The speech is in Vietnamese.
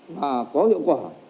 và có hiệu quả